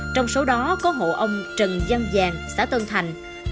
trong số đó có hộ ông trần giang vàng xã tân thành